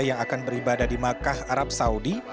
yang akan beribadah di makkah arab saudi